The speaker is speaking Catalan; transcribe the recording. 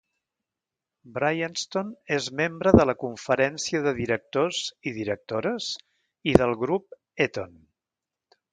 Bryanston és membre de la conferència de directors i directores i del Grup Eton.